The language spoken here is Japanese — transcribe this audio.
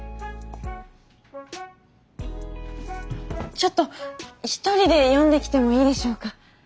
ちょっと１人で読んできてもいいでしょうか？